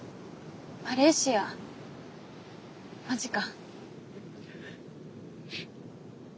マレーシアマジか。